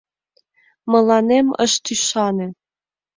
Мыланем ышт ӱшане.